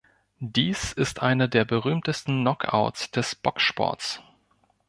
Dies ist einer der berühmtesten Knockouts des Boxsports.